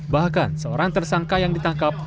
bahkan seorang tersangka yang ditangkap